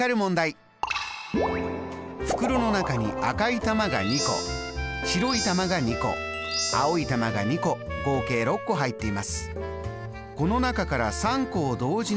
袋の中に赤い玉が２個白い玉が２個青い玉が２個合計６個入っています。